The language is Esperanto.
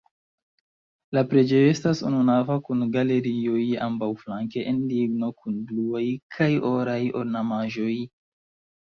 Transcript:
La preĝejo estas ununava kun galerioj ambaŭflanke el ligno kun bluaj kaj oraj ornamaĵoj.